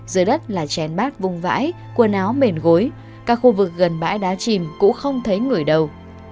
dưới đất là chén bát vung vãi quần áo mền gối các khu vực gần bãi đá chìm cũng không thấy người đâu